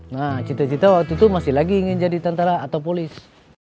nah cita cita waktu itu masih lagi ingin jadi tentara atau polis